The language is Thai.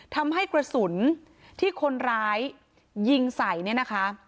ทำให้กระสุนที่คนร้ายยิงใส่เนี่ยนะคะ